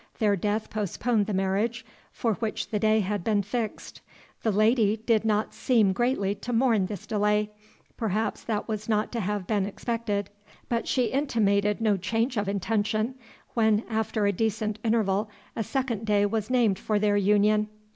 Their death postponed the marriage, for which the day had been fixed. The lady did not seem greatly to mourn this delay, perhaps that was not to have been expected; but she intimated no change of intention, when, after a decent interval, a second day was named for their union.